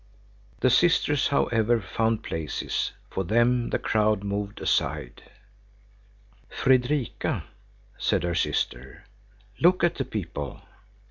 The sisters, however, found places; for them the crowd moved aside. "Fredrika," said her sister, "look at the people!"